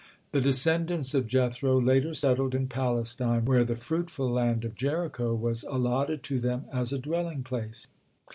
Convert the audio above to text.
The descendants of Jethro later settled in Palestine, where the fruitful land of Jericho was allotted to them as a dwelling place.